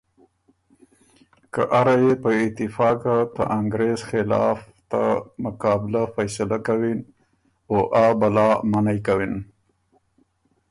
که اره يې په اتفاقه ته انګرېز خلاف ته مقابلۀ فیصلۀ کَوِن او آ بلا منعئ کَوِن۔